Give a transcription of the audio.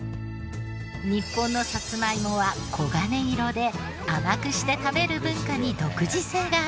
日本のサツマイモは黄金色で甘くして食べる文化に独自性があったのです。